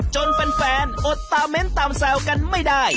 จนแฟนอดตามเม้นต์ตามแซวกันไม่ได้